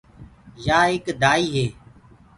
يآ ايڪ دآئي هي۔